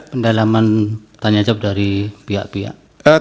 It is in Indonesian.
pendalaman tanya jawab dari pihak pihak